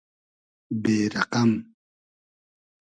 بې رئقئم